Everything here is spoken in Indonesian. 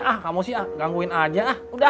ah kamu sih ah gangguin aja ah udah